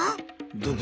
どう？